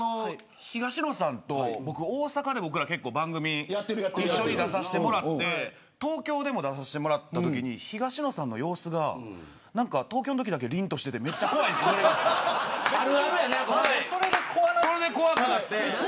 東野さんと大阪で僕ら結構番組一緒に出させてもらって東京でも出させてもらったとき東野さんの様子が東京のときだけ、りんとしていて怖くない、怖くない。